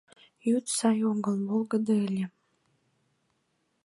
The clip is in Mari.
Йӱд сай огыл, волгыдо ыле.